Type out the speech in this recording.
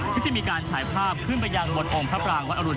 ที่จะมีการถ่ายภาพขึ้นไปยังบนองค์พระปรางวัดอรุณ